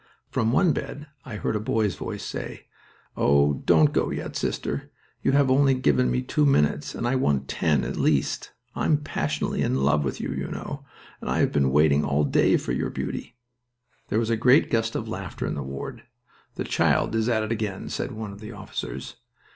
From one bed I heard a boy's voice say: "Oh, don't go yet, sister! You have only given me two minutes, and I want ten, at least. I am passionately in love with you, you know, and I have been waiting all day for your beauty!" There was a gust of laughter in the ward. "The child is at it again!" said one of the officers.